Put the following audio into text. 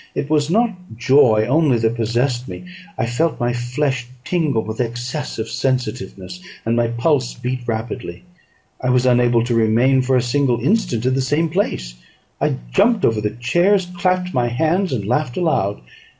It was not joy only that possessed me; I felt my flesh tingle with excess of sensitiveness, and my pulse beat rapidly. I was unable to remain for a single instant in the same place; I jumped over the chairs, clapped my hands, and laughed aloud.